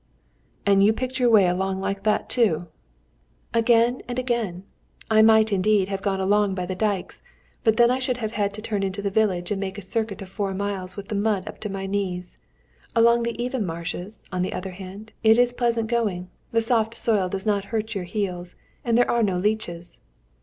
"And you picked your way along like that too?" "Again and again! I might, indeed, have gone along by the dykes, but then I should have had to turn into the village and make a circuit of four miles with the mud up to my knees. Along the even marshes, on the other hand, it is pleasant going, the soft soil does not hurt your heels, and there are no leeches."